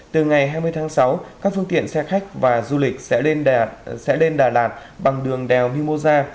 từ ngày hai mươi tháng sáu các phương tiện xe khách và du lịch sẽ lên đà lạt bằng đường đèo mimosa